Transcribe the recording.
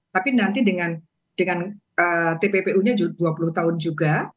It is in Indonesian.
tapi nanti dengan tppu nya dua puluh tahun juga